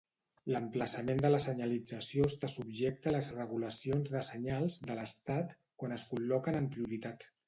L'emplaçament de la senyalització està subjecte a les regulacions de senyals de l'estat quan es col·loquen en prioritat.